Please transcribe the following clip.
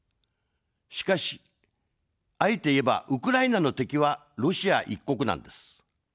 しかし、あえて言えばウクライナの敵はロシア１国なんです。